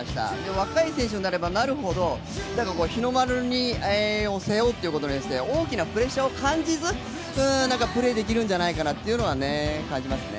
若い選手になればなるほど日の丸を背負うということに大きなプレッシャーを感じずプレーできるんじゃないかなというのは感じますね。